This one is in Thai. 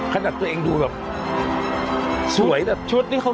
ขนาดเป็นวัดหลักและ